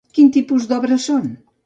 Quin tipus d'obres són?